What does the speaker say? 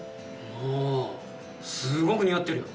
うんすごく似合ってるよ